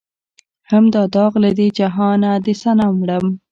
هم دا داغ لۀ دې جهانه د صنم وړم